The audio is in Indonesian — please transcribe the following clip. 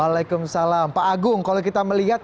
waalaikumsalam pak agung kalau kita melihat